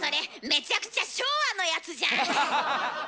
めちゃくちゃ昭和のやつじゃん。